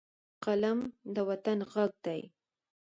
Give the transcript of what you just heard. قلم د وطن غږ دی